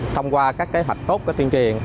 thông qua các kế hoạch tốt của tuyên truyền